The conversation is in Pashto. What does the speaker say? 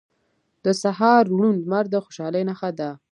• د سهار روڼ لمر د خوشحالۍ نښه ده.